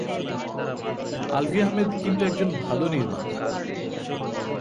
আলভী আহমেদ কিন্তু একজন ভালো নির্মাতা।